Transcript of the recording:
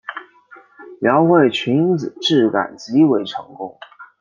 描绘裙子质感极为成功